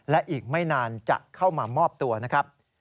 และอีกไม่นานจะเข้ามามอบตัวนะครับ